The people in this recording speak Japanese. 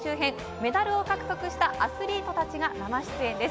メダルを獲得したアスリートたちが生出演です。